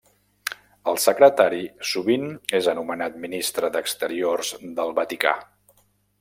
El secretari sovint és anomenat ministre d'exteriors del Vaticà.